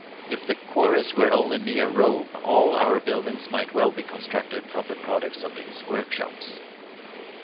If the quarries were only near Rome, all our buildings might well be constructed from the products of these workshops.